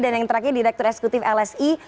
dan yang terakhir direktur eksekutif lsi